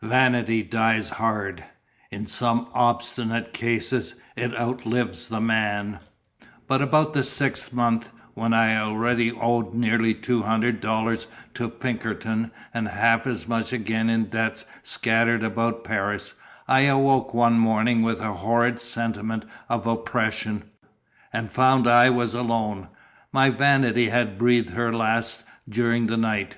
Vanity dies hard; in some obstinate cases it outlives the man: but about the sixth month, when I already owed near two hundred dollars to Pinkerton, and half as much again in debts scattered about Paris, I awoke one morning with a horrid sentiment of oppression, and found I was alone: my vanity had breathed her last during the night.